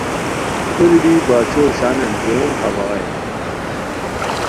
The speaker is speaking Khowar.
توری بی باچھو شانین ژوئین پھار بغائے